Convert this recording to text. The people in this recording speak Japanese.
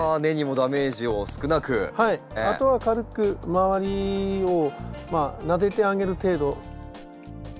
あとは軽く周りをまあなでてあげる程度。